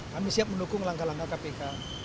kami siap mendukung langkah langkah kpk